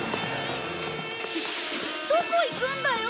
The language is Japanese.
どこ行くんだよ！